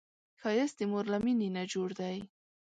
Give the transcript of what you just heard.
ښایست د مور له مینې نه جوړ دی